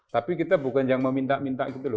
tapi kita bukan yang meminta minta gitu loh